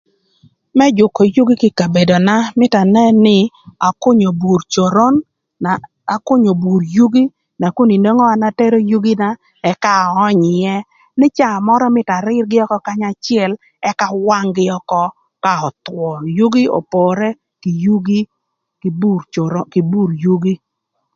Më jükö yugi kï ï kabedona mïtö anën nï, akünyö bur coron, na akünyö bur yugi, nakun inwongo an atero yugina ëka aöönyö ïë, nï caa mörö mïtö arïrgï ökö kanya acël ëk awang-gï ökö ka öthwö. Yugi opore kï yugi kï bur coron kï bur yugi.